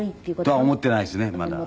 「とは思っていないですねまだ」